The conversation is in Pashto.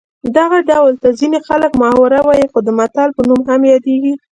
دغه ډول ته ځینې خلک محاوره وايي خو د متل په نوم هم یادیږي